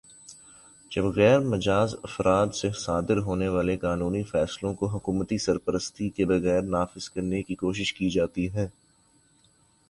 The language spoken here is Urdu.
جب غیر مجازافراد سے صادر ہونے والے قانونی فیصلوں کو حکومتی سرپرستی کے بغیر نافذ کرنے کی کوشش کی جاتی ہے